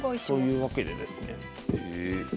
というわけでですね。